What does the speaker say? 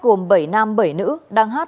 gồm bảy nam bảy nữ đang hát